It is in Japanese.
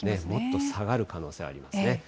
もっと下がる可能性ありますね。